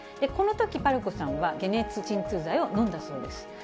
このとき、ぱるこさんは解熱鎮痛剤を飲んだそうです。